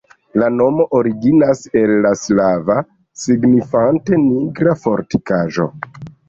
La nomo originas el la slava, signifante nigra fortikaĵo.